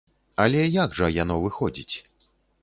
Але як жа яно выходзіць?